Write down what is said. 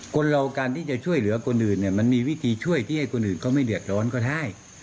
คนเราการที่จะช่วยเหลือคนอื่นเนี่ยมันมีวิธีช่วยที่ให้คนอื่นเขาไม่เดือดร้อนก็ได้